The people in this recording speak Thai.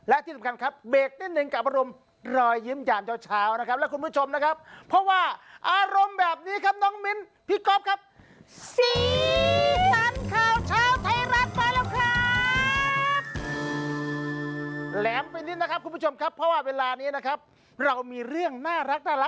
อันนี้นะครับเรามีเรื่องน่ารัก